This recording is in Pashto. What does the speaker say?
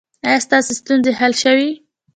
ایا ستاسو ستونزې حل شوې؟